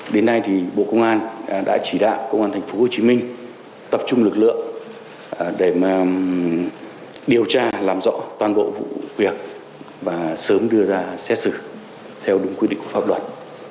đến nay thì bộ công an đã chỉ đạo công an tp hcm tập trung lực lượng để điều tra làm rõ toàn bộ vụ việc và sớm đưa ra xét xử theo đúng quy định của pháp luật